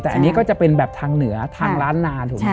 แต่อันนี้ก็จะเป็นแบบทางเหนือทางร้านนานถูกไหม